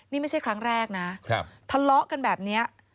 นี่ไม่ใช่ครั้งแรกนะทะเลาะกันแบบนี้